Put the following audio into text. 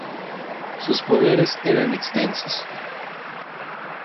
Sus poderes eran extensos.